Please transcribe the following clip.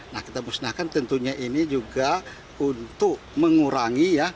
nah kita musnahkan tentunya ini juga untuk mengurangi ya